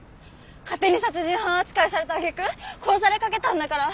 勝手に殺人犯扱いされた揚げ句殺されかけたんだから！